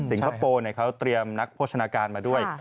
คโปร์เขาเตรียมนักโภชนาการมาด้วย